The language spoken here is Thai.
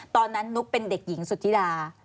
ตอนนั้นนุ๊กเป็นเด็กหญิงสุธิดา